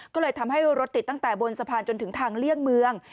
ก็เลยทำให้รถติดตั้งแต่บนสะพานจนถึงทางเลี่ยงเมือง